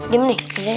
diam nih diam nih